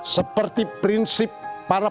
seperti prinsip parah parah